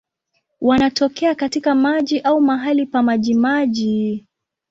Wanatokea katika maji au mahali pa majimaji.